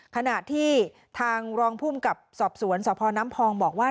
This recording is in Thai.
ขณะที่ทางรองภูมิกับสอบสวนสพน้ำพองบอกว่า